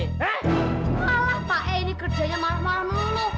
nggak lah pak ya ini kerjanya malah malah mulu